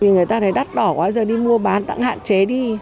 người ta lại đắt đỏ quá giờ đi mua bán tặng hạn chế đi